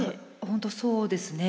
本当そうですね。